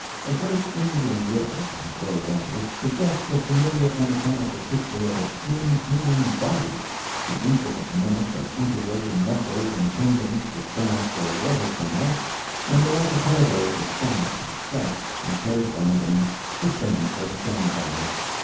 A great Indian river, at low water, suggests the familiar anatomical picture of a skinned human body, the intricate mesh of interwoven muscles and tendons to stand for water channels, and the archipelagoes of fat and flesh inclosed by them to stand for the sandbars.